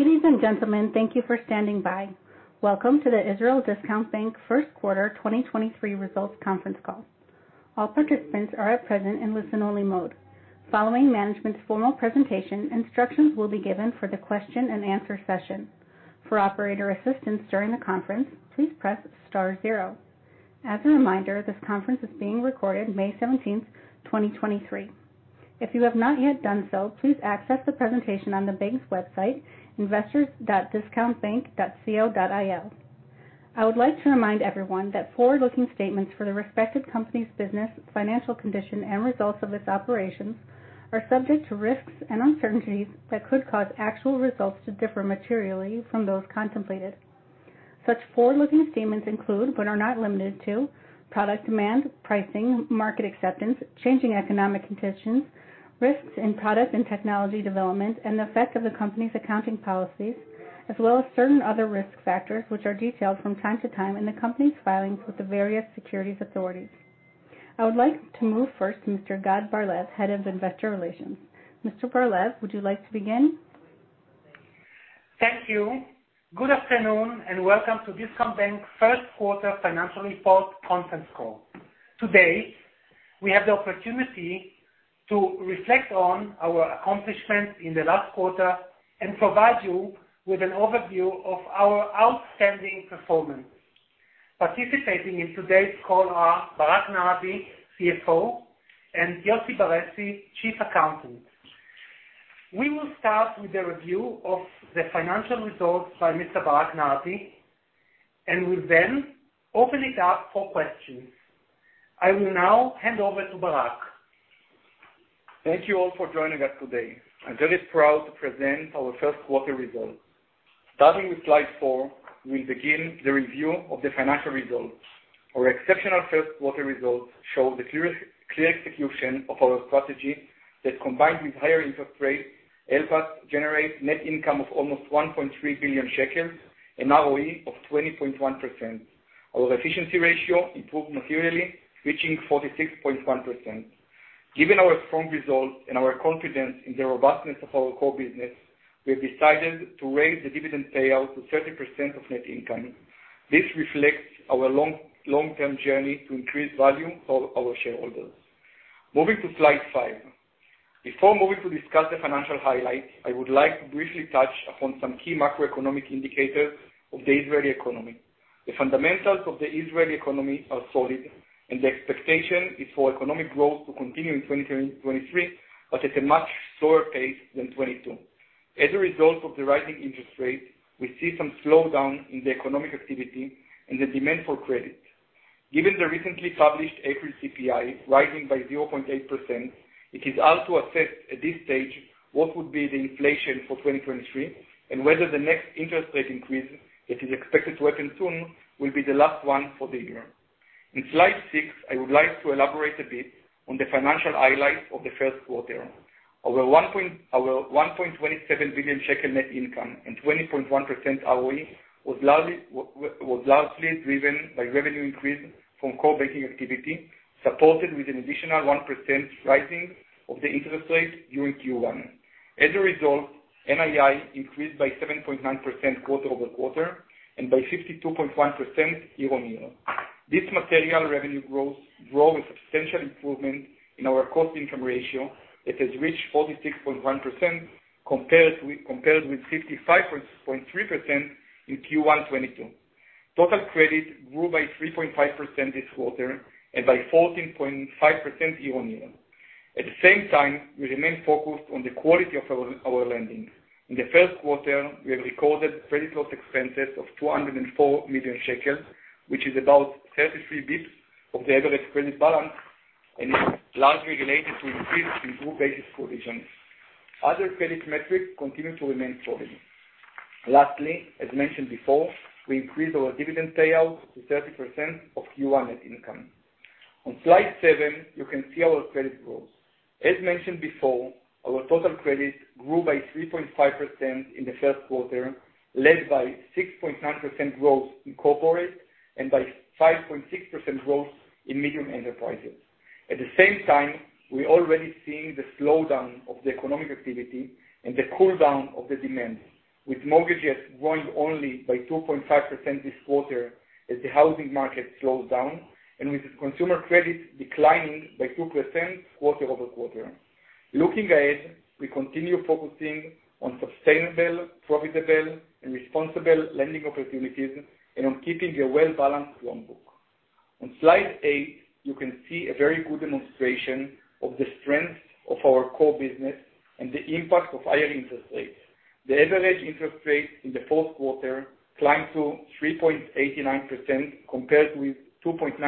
Ladies and gentlemen, thank you for standing by. Welcome to the Israel Discount Bank 1st quarter 2023 results conference call. All participants are at present in listen only mode. Following management's formal presentation, instructions will be given for the question and answer session. For operator assistance during the conference, please press star zero. As a reminder, this conference is being recorded May 17th, 2023. If you have not yet done so, please access the presentation on the bank's website investors.discountbank.co.il. I would like to remind everyone that forward-looking statements for the respective company's business, financial condition and results of its operations are subject to risks and uncertainties that could cause actual results to differ materially from those contemplated. Such forward-looking statements include, but are not limited to product demand, pricing, market acceptance, changing economic conditions, risks in product and technology development, and the effect of the company's accounting policies, as well as certain other risk factors, which are detailed from time to time in the company's filings with the various securities authorities. I would like to move first to Mr. Gad Barlev, Head of Investor Relations. Mr. Barlev, would you like to begin? Thank you. Good afternoon, welcome to Discount Bank first quarter financial report conference call. Today, we have the opportunity to reflect on our accomplishments in the last quarter and provide you with an overview of our outstanding performance. Participating in today's call are Barak Nardi, CFO, and Joseph Beressi, chief accountant. We will start with the review of the financial results by Mr. Barak Nardi, and we'll then open it up for questions. I will now hand over to Barak. Thank you all for joining us today. I'm very proud to present our first quarter results. Starting with slide four, we begin the review of the financial results. Our exceptional first quarter results show the clear execution of our strategy that combined with higher interest rates, helped us generate net income of almost 1.3 billion shekels and ROE of 20.1%. Our efficiency ratio improved materially, reaching 46.1%. Given our strong results and our confidence in the robustness of our core business, we have decided to raise the dividend payout to 30% of net income. This reflects our long-term journey to increase value for our shareholders. Moving to slide five. Before moving to discuss the financial highlights, I would like to briefly touch upon some key macroeconomic indicators of the Israeli economy. The fundamentals of the Israeli economy are solid, and the expectation is for economic growth to continue in 2023, but at a much slower pace than 2022. As a result of the rising interest rates, we see some slowdown in the economic activity and the demand for credit. Given the recently published April CPI rising by 0.8%, it is hard to assess at this stage what would be the inflation for 2023 and whether the next interest rate increase that is expected to happen soon will be the last one for the year. In slide six, I would like to elaborate a bit on the financial highlights of the first quarter. Our 1 point... Our 1.27 billion shekel net income and 20.1% ROE was largely driven by revenue increase from core banking activity, supported with an additional 1% rising of the interest rate during Q1. As a result, NII increased by 7.9% quarter-over-quarter and by 52.1% year-on-year. This material revenue growth draw a substantial improvement in our cost-to-income ratio that has reached 46.1% compared with 55.3% in Q1 2022. Total credit grew by 3.5% this quarter and by 14.5% year-on-year. At the same time, we remain focused on the quality of our lending. In the first quarter, we have recorded credit loss expenses of 204 million shekels, which is about 33 basis points of the average credit balance and is largely related to increase in group basis provisions. Other credit metrics continue to remain solid. Lastly, as mentioned before, we increased our dividend payout to 30% of Q1 net income. On slide seven, you can see our credit growth. As mentioned before, our total credit grew by 3.5% in the first quarter, led by 6.9% growth in corporate and by 5.6% growth in medium enterprises. At the same time, we already seeing the slowdown of the economic activity and the cool down of the demand, with mortgages growing only by 2.5% this quarter as the housing market slows down and with consumer credit declining by 2% quarter-over-quarter. Looking ahead, we continue focusing on sustainable, profitable and responsible lending opportunities and on keeping a well-balanced loan book. On slide eight, you can see a very good demonstration of the strength of our core business and the impact of higher interest rates. The average interest rate in the fourth quarter climbed to 3.89% compared with 2.92%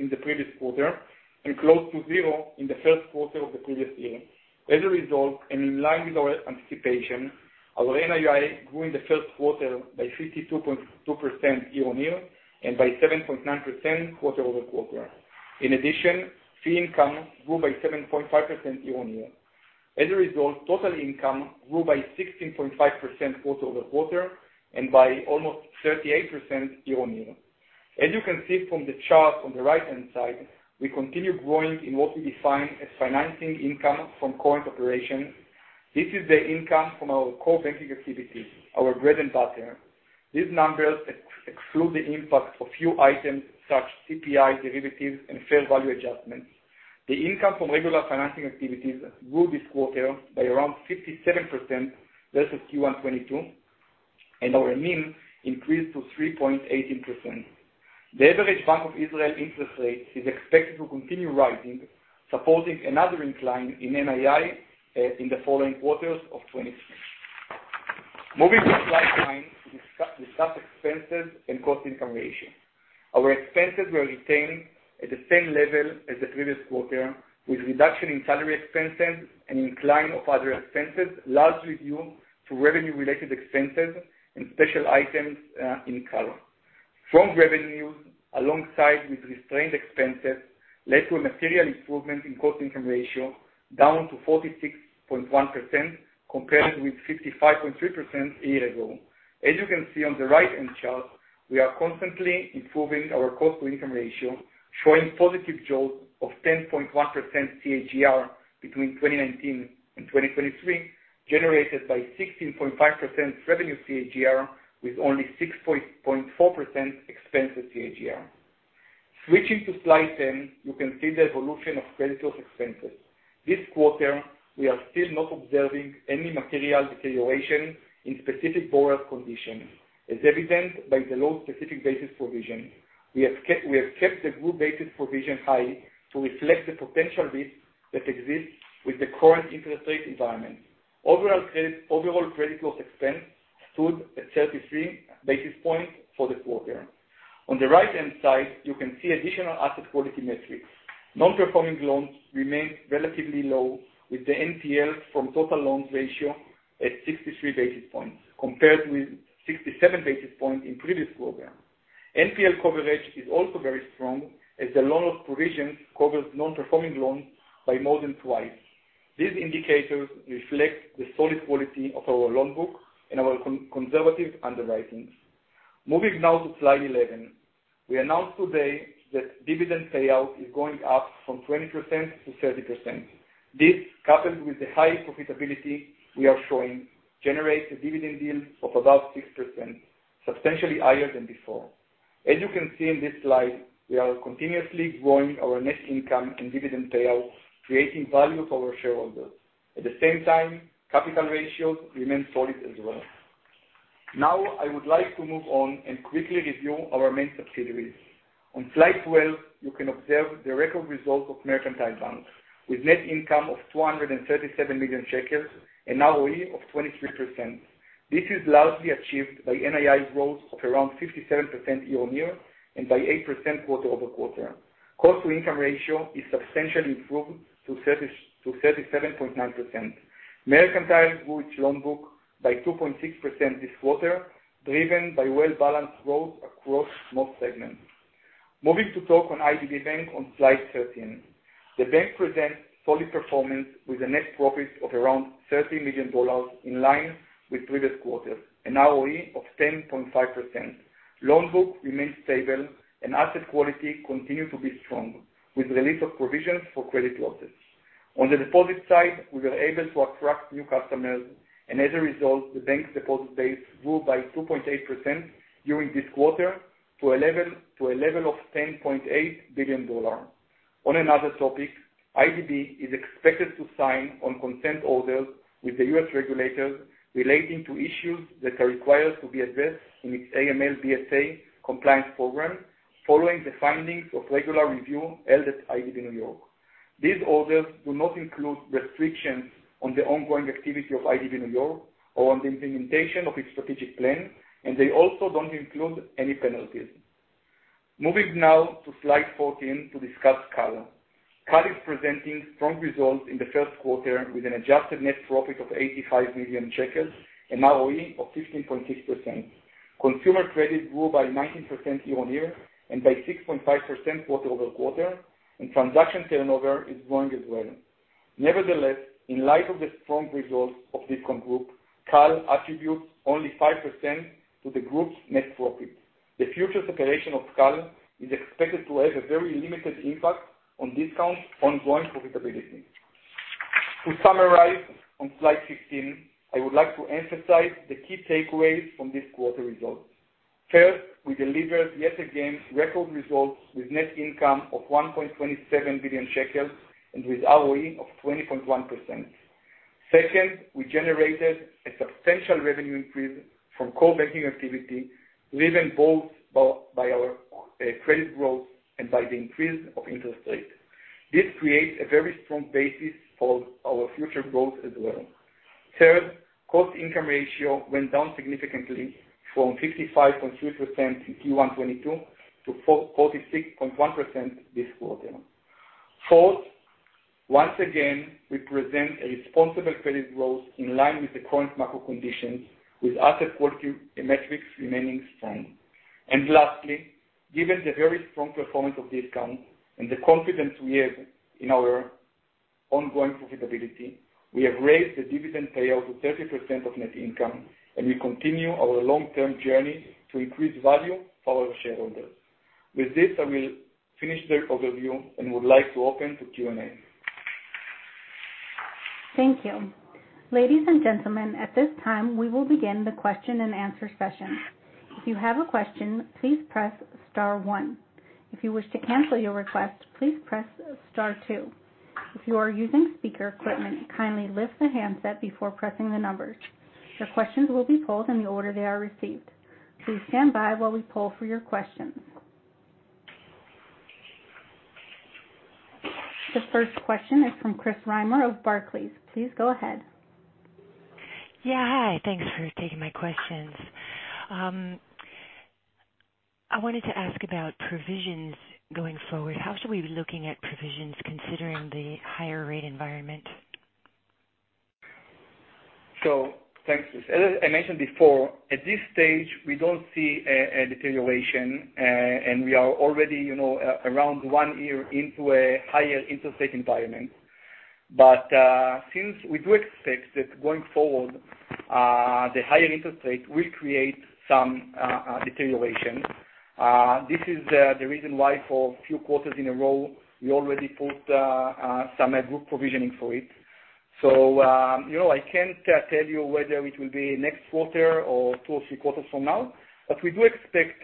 in the previous quarter and close to 0 in the first quarter of the previous year. As a result, and in line with our anticipation, our NII grew in the first quarter by 52.2% year-on-year and by 7.9% quarter-over-quarter. In addition, fee income grew by 7.5% year-on-year. As a result, total income grew by 16.5% quarter-over-quarter and by almost 38% year-on-year. As you can see from the chart on the right-hand side, we continue growing in what we define as financing income from current operations. This is the income from our core banking activities, our bread and butter. These numbers ex-exclude the impact of few items, such CPI derivatives and fair value adjustments. The income from regular financing activities grew this quarter by around 57% versus Q1 2022, and our NIM increased to 3.18%. The average Bank of Israel interest rate is expected to continue rising, supporting another incline in NII in the following quarters of 2023. Moving to slide nine, discuss expenses and cost-to-income ratio. Our expenses were retained at the same level as the previous quarter, with reduction in salary expenses and incline of other expenses, largely due to revenue-related expenses and special items in Cal. Strong revenues alongside with restrained expenses led to a material improvement in cost-to-income ratio down to 46.1% compared with 55.3% a year ago. As you can see on the right-hand chart, we are constantly improving our cost-to-income ratio, showing positive jolt of 10.1% CAGR between 2019 and 2023, generated by 16.5% revenue CAGR with only 6.4% expenses CAGR. Switching to slide 10, you can see the evolution of credit loss expenses. This quarter, we are still not observing any material deterioration in specific borrower conditions, as evident by the low specific basis provision. We have kept the group-based provision high to reflect the potential risk that exists with the current interest rate environment. Overall credit loss expense stood at 33 basis points for the quarter. On the right-hand side, you can see additional asset quality metrics. Non-performing loans remain relatively low, with the NPL from total loans ratio at 63 basis points, compared with 67 basis points in previous quarter. NPL coverage is also very strong, as the loan loss provision covers non-performing loans by more than twice. These indicators reflect the solid quality of our loan book and our conservative underwriting. Moving now to slide 11. We announced today that dividend payout is going up from 20% to 30%. This, coupled with the high profitability we are showing, generates a dividend yield of about 6%, substantially higher than before. As you can see in this slide, we are continuously growing our net income and dividend payout, creating value for our shareholders. At the same time, capital ratios remain solid as well. I would like to move on and quickly review our main subsidiaries. On slide 12, you can observe the record results of Mercantile Bank with net income of 237 million shekels and ROE of 23%. This is largely achieved by NII growth of around 57% year-on-year and by 8% quarter-over-quarter. cost-to-income ratio is substantially improved to 37.9%. Mercantile grew its loan book by 2.6% this quarter, driven by well-balanced growth across most segments. Moving to talk on IDB Bank on slide 13. The bank presents solid performance with a net profit of around $30 million in line with previous quarters and ROE of 10.5%. Loan book remains stable and asset quality continue to be strong with release of provisions for credit losses. On the deposit side, we were able to attract new customers and as a result, the bank deposit base grew by 2.8% during this quarter to a level of $10.8 billion. On another topic, IDB is expected to sign on consent orders with the U.S. regulators relating to issues that are required to be addressed in its AML/BSA compliance program following the findings of regular review held at IDB New York. They also don't include any penalties. Moving now to slide 14 to discuss Cal. Cal is presenting strong results in the first quarter with an adjusted net profit of 85 million shekels and ROE of 15.6%. Consumer credit grew by 19% year-on-year and by 6.5% quarter-over-quarter. Transaction turnover is growing as well. In light of the strong results of Discount Group, Cal attributes only 5% to the Group's net profit. The future separation of Cal is expected to have a very limited impact on Discount's ongoing profitability. To summarize on slide 15, I would like to emphasize the key takeaways from this quarter results. First, we delivered yet again record results with net income of 1.27 billion shekels and with ROE of 20.1%. Second, we generated a substantial revenue increase from core banking activity, driven both by our credit growth and by the increase of interest rate. This creates a very strong basis for our future growth as well. Third, cost-to-income ratio went down significantly from 55.3% in Q1 2022 to 46.1% this quarter. Fourth, once again, we present a responsible credit growth in line with the current macro conditions with asset quality metrics remaining strong. Lastly, given the very strong performance of Discount and the confidence we have in our ongoing profitability. We have raised the dividend payout to 30% of net income, and we continue our long-term journey to increase value for our shareholders. With this, I will finish the overview and would like to open to Q&A. Thank you. Ladies and gentlemen, at this time, we will begin the question and answer session. If you have a question, please press star one. If you wish to cancel your request, please press star two. If you are using speaker equipment, kindly lift the handset before pressing the numbers. Your questions will be pulled in the order they are received. Please stand by while we pull for your questions. The first question is from Chris Reimer of Barclays. Please go ahead. Yeah. Hi. Thanks for taking my questions. I wanted to ask about provisions going forward. How should we be looking at provisions considering the higher rate environment? Thanks. As I mentioned before, at this stage, we don't see a deterioration, and we are already, you know, around one year into a higher interest rate environment. Since we do expect that going forward, the higher interest rate will create some deterioration, this is the reason why for a few quarters in a row, we already put some group provisioning for it. You know, I can't tell you whether it will be next quarter or two or three quarters from now, but we do expect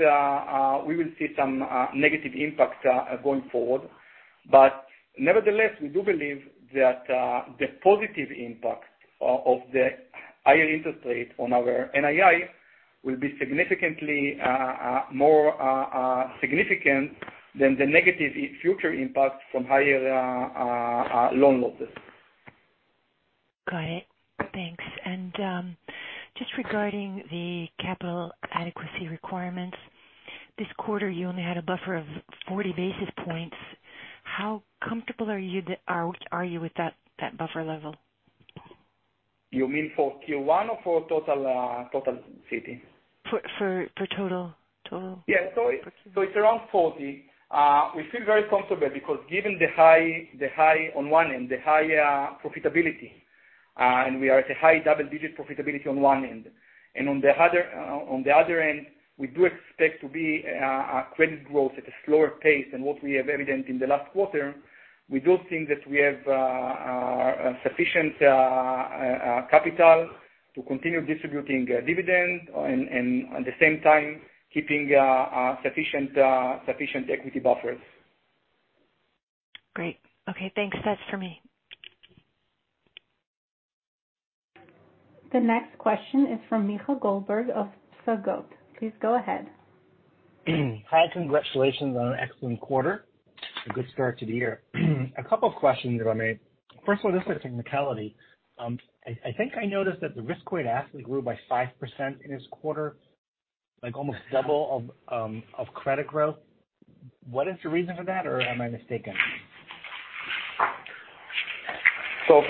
we will see some negative impact going forward. Nevertheless, we do believe that the positive impact of the higher interest rate on our NII will be significantly more significant than the negative future impact from higher loan losses. Got it. Thanks. Just regarding the capital adequacy requirements, this quarter, you only had a buffer of 40 basis points. How comfortable are you with that buffer level? You mean for Q1 or for total city? For total. Yeah. It's around 40. We feel very comfortable because given the high on one end, the higher profitability, and we are at a high double-digit profitability on one end. On the other end, we do expect to be a credit growth at a slower pace than what we have evident in the last quarter. We do think that we have sufficient capital to continue distributing dividend and at the same time, keeping sufficient equity buffers. Great. Okay, thanks. That's for me. The next question is from Michael Goldberg of Psagot. Please go ahead. Hi, congratulations on an excellent quarter. A good start to the year. A couple of questions if I may. First of all, just a technicality. I think I noticed that the risk-weighted assets grew by 5% in this quarter, like almost double of credit growth. What is the reason for that, or am I mistaken?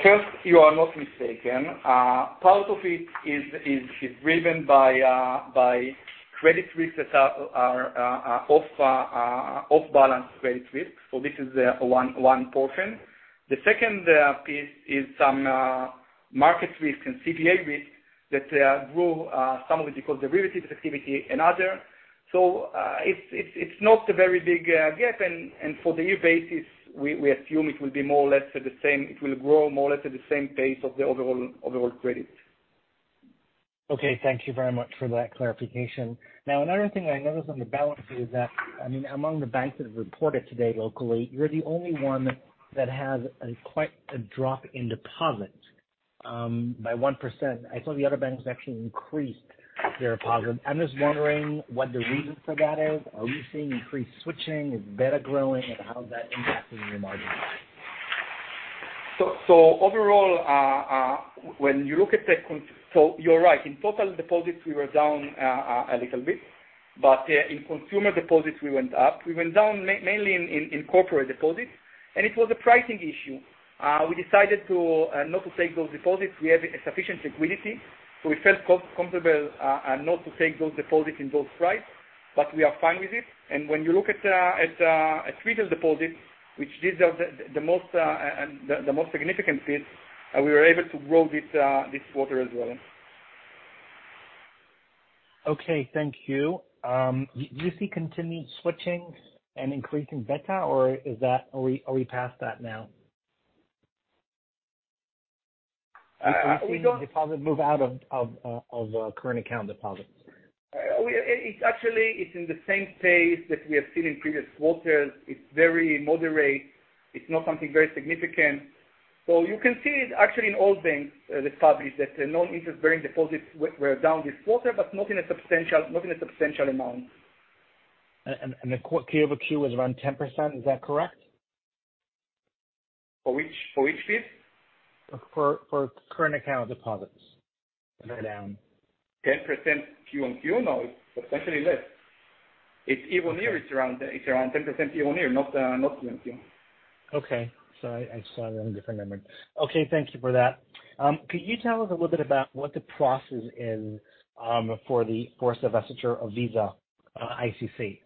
First, you are not mistaken. Part of it is driven by credit risks that are off off-balance credit risk. This is one portion. The second piece is some market risk and CVA risk that grew some of it because derivative activity and other. It's not a very big gap. For the year basis, we assume it will be more or less at the same. It will grow more or less at the same pace of the overall credit. Okay, thank you very much for that clarification. Another thing I noticed on the balance sheet is that, I mean, among the banks that have reported today locally, you're the only one that has a quite a drop in deposit, by 1%. I saw the other banks actually increased their deposit. I'm just wondering what the reason for that is. Are we seeing increased switching? Is BETA growing, and how is that impacting your margins? Overall, you're right, in total deposits, we were down a little bit, but in consumer deposits, we went up. We went down mainly in corporate deposits, and it was a pricing issue. We decided not to take those deposits. We have sufficient liquidity, so we felt comfortable not to take those deposits in those price, but we are fine with it. When you look at retail deposits, which these are the most, the most significant piece, we were able to grow this quarter as well. Thank you. Do you see continued switching and increase in BETA, or is that... Are we, are we past that now? Uh, we don't- deposit move out of current account deposits. It's actually in the same pace that we have seen in previous quarters. It's very moderate. It's not something very significant. You can see it actually in all banks that publish that the non-interest bearing deposits were down this quarter, but not in a substantial amount. The Q-over-Q was around 10%. Is that correct? For which, for which piece? For current account deposits that are down. 10% Q-on-Q? No, it's substantially less. It's year-on-year it's around 10% year-on-year, not Q-on-Q. Okay. I saw a different number. Okay, thank you for that. Could you tell us a little bit about what the process is for the forced divestiture of Cal, ICC?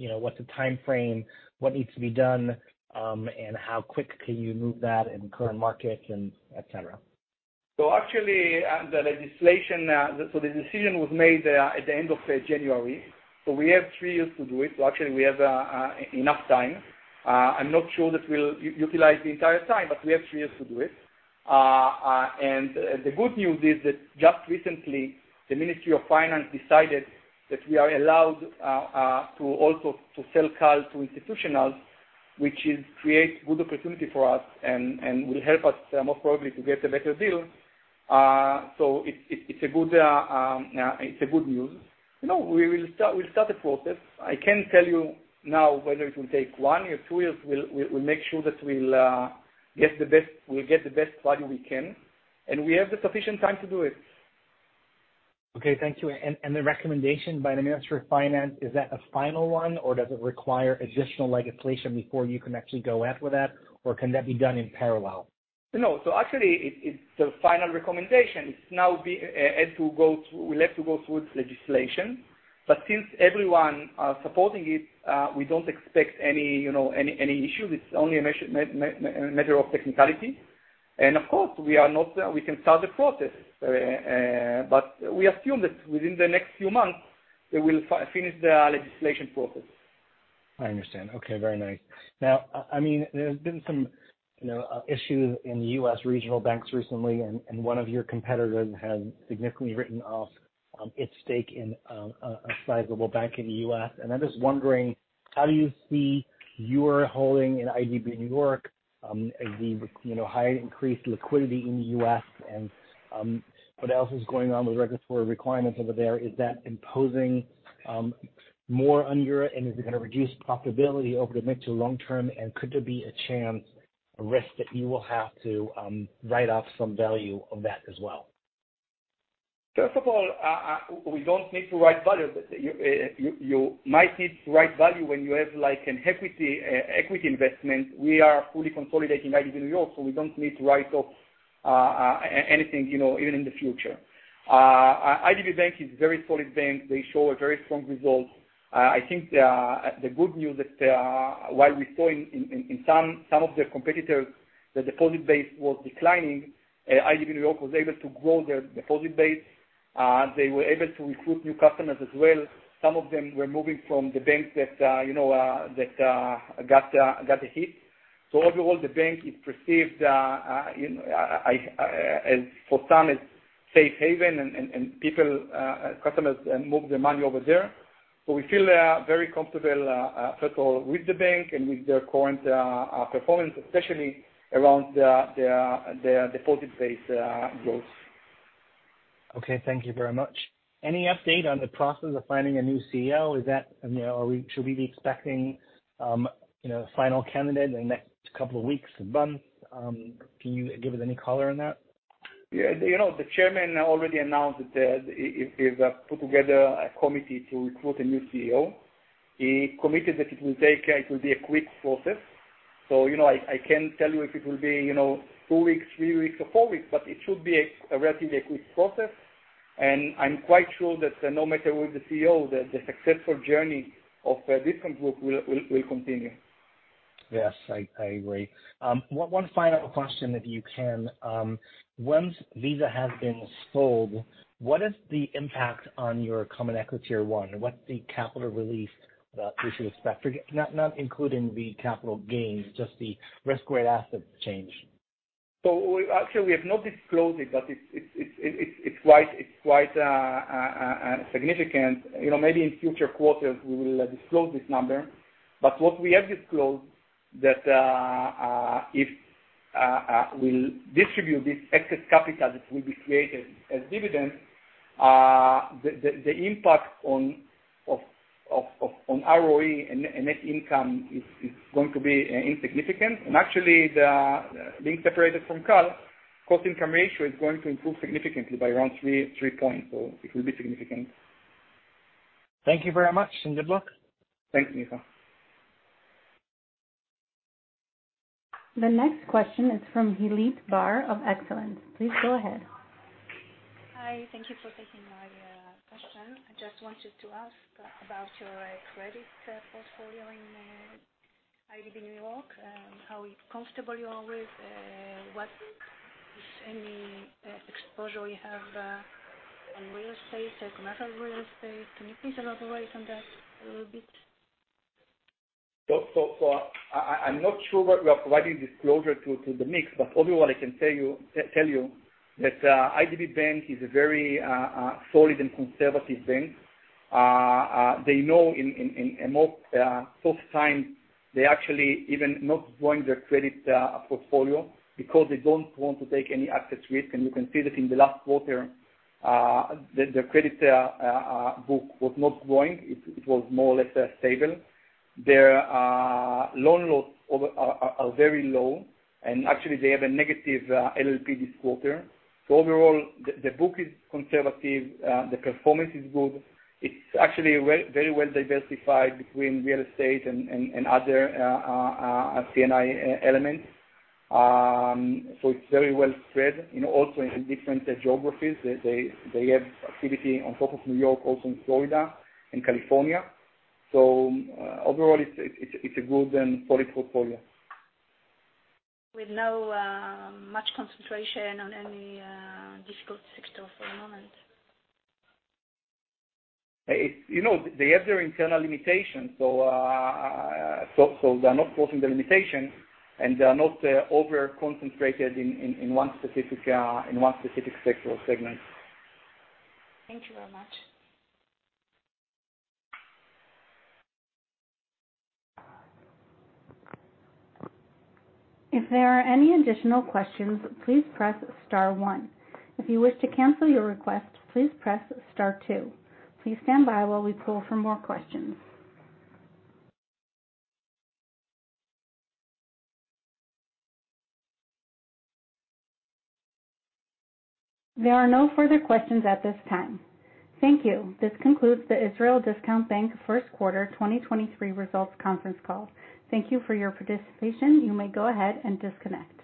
You know, what's the timeframe? What needs to be done, and how quick can you move that in current market and et cetera? Actually, the legislation. The decision was made at the end of January. We have three years to do it, so actually we have enough time. I'm not sure that we'll utilize the entire time, but we have three years to do it. The good news is that just recently, the Ministry of Finance decided that we are allowed to also to sell CAL to institutionals, which is create good opportunity for us and will help us most probably to get a better deal. It's a good news. You know, we'll start the process. I can't tell you now whether it will take one year, two years. We'll make sure that we'll get the best value we can, and we have the sufficient time to do it. Okay. Thank you. The recommendation by the Ministry of Finance, is that a final one, or does it require additional legislation before you can actually go out with that, or can that be done in parallel? No. Actually it's the final recommendation. It's now has to go through. We'll have to go through legislation. Since everyone supporting it, we don't expect any, you know, issues. It's only a measure of technicality. Of course, we can start the process. We assume that within the next few months, we will finish the legislation process. I understand. Okay, very nice. Now, I mean, there's been some, you know, issues in the U.S. regional banks recently, and one of your competitors has significantly written off its stake in a sizable bank in the U.S. I'm just wondering, how do you see your holding in IDB New York, the, you know, high increased liquidity in the U.S. and what else is going on with regulatory requirements over there? Is that imposing more on your... Is it gonna reduce profitability over the mid to long term? Could there be a chance, a risk that you will have to write off some value of that as well? First of all, we don't need to write value. You might need to write value when you have like an equity equity investment. We are fully consolidating IDB New York, we don't need to write off anything, you know, even in the future. IDB Bank is a very solid bank. They show a very strong result. I think the good news is that while we saw in some of their competitors, the deposit base was declining, IDB New York was able to grow their deposit base. They were able to recruit new customers as well. Some of them were moving from the banks that, you know, that got a hit. Overall, the bank is perceived, you know, as for some as safe haven and people, customers, move their money over there. We feel very comfortable, first all with the bank and with their current performance, especially around the deposit base growth. Okay. Thank you very much. Any update on the process of finding a new CEO? You know, should we be expecting, you know, final candidate in the next couple of weeks or months? Can you give us any color on that? You know, the chairman already announced that he's put together a committee to recruit a new CEO. He committed that it will take, it will be a quick process. You know, I can't tell you if it will be, you know, two weeks, three weeks or four weeks, but it should be a relatively a quick process. I'm quite sure that no matter with the CEO, the successful journey of Discount Group will continue. Yes. I agree. One final question, if you can. Once Cal has been sold, what is the impact on your common equity or one? What's the capital release we should expect? Not including the capital gains, just the risk-weighted assets change. We actually, we have not disclosed it, but it's quite significant. You know, maybe in future quarters we will disclose this number. What we have disclosed that if we'll distribute this excess capital that will be created as dividend, the impact on ROE and net income is going to be insignificant. Actually, the being separated from Cal, cost-to-income ratio is going to improve significantly by around 3 points. It will be significant. Thank you very much, and good luck. Thanks, Michael. The next question is from Hilit Bar of Excellence. Please go ahead. Hi. Thank you for taking my question. I just wanted to ask about your credit portfolio in IDB New York, how comfortable you are with what, if any, exposure you have in real estate, commercial real estate. Can you please elaborate on that a little bit? I'm not sure what we are providing disclosure to the mix, but overall, I can tell you that, IDB Bank is a very solid and conservative bank. They know in a more tough time, they actually even not growing their credit portfolio because they don't want to take any asset risk. You can see that in the last quarter, their credit book was not growing. It was more or less stable. Their loan loss over are very low, and actually they have a negative LLP this quarter. Overall, the book is conservative. The performance is good. It's actually very well diversified between real estate and other C&I elements. It's very well spread, you know, also in different geographies. They have activity on top of New York, also in Florida and California. Overall, it's, it's a good and solid portfolio. With no, much concentration on any, difficult sector for the moment? It's, you know, they have their internal limitations. They're not crossing the limitation, and they are not over-concentrated in one specific sector or segment. Thank you very much. If there are any additional questions, please press star one. If you wish to cancel your request, please press star two. Please stand by while we pull for more questions. There are no further questions at this time. Thank you. This concludes the Israel Discount Bank first quarter 2023 results conference call. Thank you for your participation. You may go ahead and disconnect.